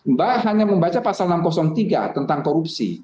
mbak hanya membaca pasal enam ratus tiga tentang korupsi